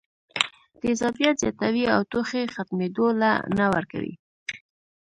تېزابيت زياتوي او ټوخی ختمېدو له نۀ ورکوي